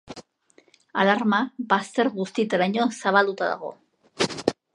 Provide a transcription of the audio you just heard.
Alarma bazter guztietaraino zabalduta dago.